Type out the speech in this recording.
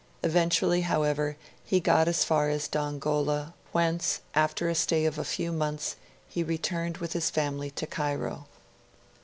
Eventually, however, he got as far as Dongola, whence, after a stay of a few months, he returned with his family to Cairo.